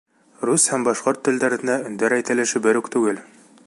Рус һәм башҡорт телдәрендә өндәр әйтелеше бер үк түгел.